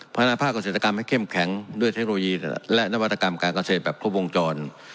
พัฒนาภาคเกษตรกรรมให้เข้มแข็งด้วยเทคโนโลยีและนวัตกรรมการเกษตรแบบครบวงจร